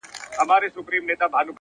اخلاص د عمل ارزښت لوړوي.!